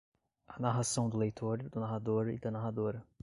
A narração do leitor do narrador e da narradora